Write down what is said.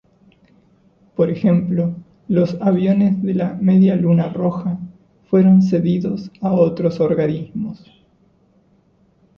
Por ejemplo, los aviones de la Media Luna Roja fueron cedidos a otros organismos.